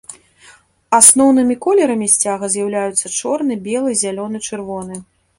Асноўнымі колерамі сцяга з'яўляюцца чорны, белы, зялёны, чырвоны.